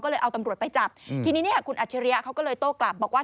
ก็เลยเอาตำรวจไปจับทีนี้เนี่ยคุณอัจฉริยะเขาก็เลยโต้กลับบอกว่า